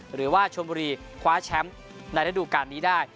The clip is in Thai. หรือว่าชนบุรีคว้าแชมป์ในระดูการนี้ได้